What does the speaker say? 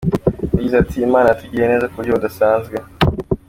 Yagize ati “Imana yatugiriye neza ku buryo budasazwe.